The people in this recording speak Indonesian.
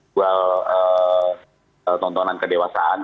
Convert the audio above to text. buat tontonan kedewasaan